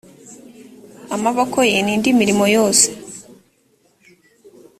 amaboko ye n indi mirimo yose